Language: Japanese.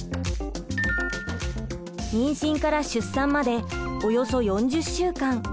妊娠から出産までおよそ４０週間。